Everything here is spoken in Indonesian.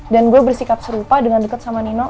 dan gue bersikap serupa dengan deket sama nino